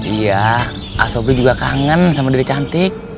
iya asobri juga kangen sama diri cantik